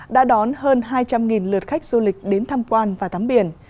đã đón hơn hai trăm linh lượt khách du lịch đến tham quan và tắm biển